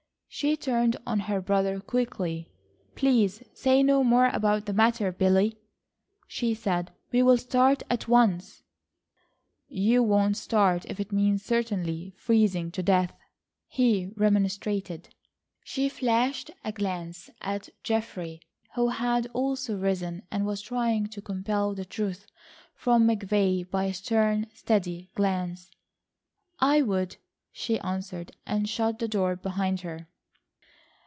She turned on her brother quickly: "Please say no more about the matter, Billy," she said. "We will start at once." "You won't start if it means certainly freezing to death," he remonstrated. She flashed a glance at Geoffrey, who had also risen and was trying to compel the truth from McVay by a stern, steady glance. "I would," she answered and shut the door behind her.